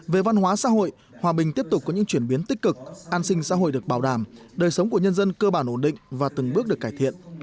về văn hóa xã hội hòa bình tiếp tục có những chuyển biến tích cực an sinh xã hội được bảo đảm đời sống của nhân dân cơ bản ổn định và từng bước được cải thiện